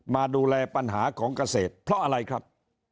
มาดูแลปัญหาของเกษตรเพราะอะไรครับ